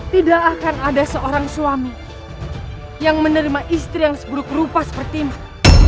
tidak akan ada seorang suami yang menerima istri yang seburuk rupa sepertimu